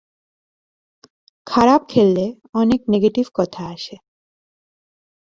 খারাপ খেললে অনেক নেগেটিভ কথা আসে।